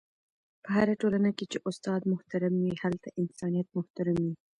په هره ټولنه کي چي استاد محترم وي، هلته انسانیت محترم وي..